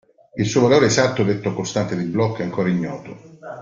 Il suo valore esatto, detto "costante di Bloch", è ancora ignoto.